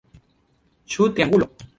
Ĉu triangulo?